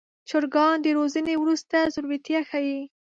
چرګان د روزنې وروسته زړورتیا ښيي.